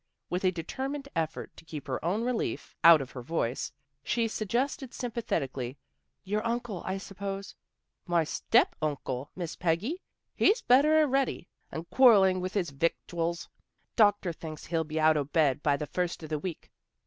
With a determined effort to keep her own relief 234 THE GIRLS OF FRIENDLY TERRACE out of her voice, she suggested sympathetically " Your uncle, I suppose " My step uncle, Miss Peggy. He's better a'ready, and quarrelling with his victuals. Doctor thinks he'll be out o' bed by the first o' the week.